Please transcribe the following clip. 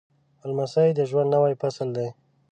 لمسی د ژوند نوی فصل دی.